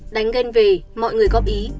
đánh ghen về mọi người góp ý